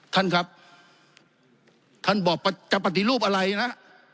ท่านบอกจะปฏิรูปอะไรนะ